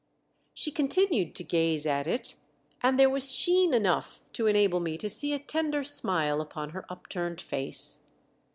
She continued to gaze at it, and there was sheen enough to enable me to see a tender smile upon her upturned face.